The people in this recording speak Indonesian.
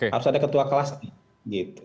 harus ada ketua kelasnya